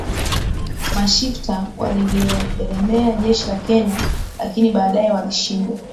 Mashifta walilielemea jeshi la Kenya lakini baadae walishindwa